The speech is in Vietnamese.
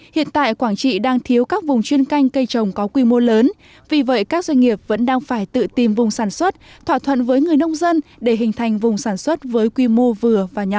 hiện tại quảng trị đang thiếu các vùng chuyên canh cây trồng có quy mô lớn vì vậy các doanh nghiệp vẫn đang phải tự tìm vùng sản xuất thỏa thuận với người nông dân để hình thành vùng sản xuất với quy mô vừa và nhỏ